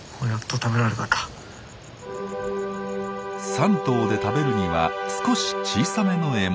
３頭で食べるには少し小さめの獲物。